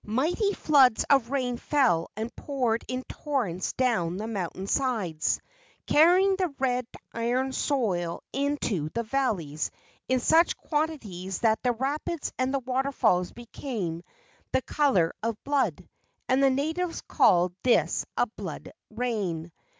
Mighty floods of rain fell and poured in tor 22 LEGENDS OF GHOSTS rents down the mountain sides, carrying the red iron soil into the valleys in such quantities that the rapids and the waterfalls became the color of blood, and the natives called this a blood rain.